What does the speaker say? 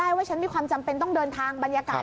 ว่าฉันมีความจำเป็นต้องเดินทางบรรยากาศ